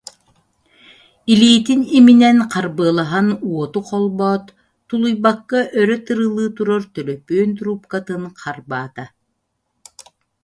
Илиитин иминэн харбыалаһан уоту холбоот, тулуйбакка өрө тырылыы турар төлөпүөн турууп- катын харбаата